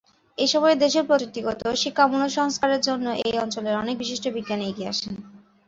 এই সময়ে দেশের প্রযুক্তিগত ও শিক্ষামূলক সংস্কারের জন্য এই অঞ্চলের অনেক বিশিষ্ট বিজ্ঞানী এগিয়ে আসেন।